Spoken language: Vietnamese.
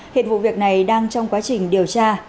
hiện vụ việc này đang trong quá trình điều tra